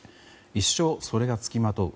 一生それが付きまとう。